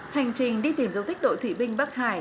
hành trình đi tìm dấu tích đội thủy binh bắc hải